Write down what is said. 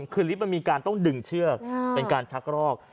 คือลิฟต์มันมีการต้องดึงเชือกเป็นการชักรอก